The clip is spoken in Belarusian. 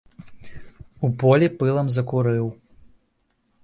У полі пылам закурыў.